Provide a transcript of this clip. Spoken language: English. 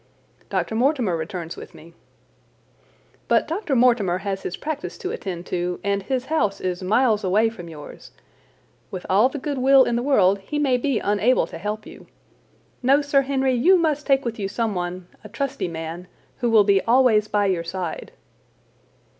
"Dr. Mortimer returns with me." "But Dr. Mortimer has his practice to attend to, and his house is miles away from yours. With all the goodwill in the world he may be unable to help you. No, Sir Henry, you must take with you someone, a trusty man, who will be always by your side."